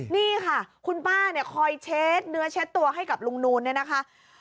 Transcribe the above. นี่ค่ะคุณป้าเนี่ยคอยเช็ดเนื้อเช็ดตัวให้กับลุงนูนเนี่ยนะคะ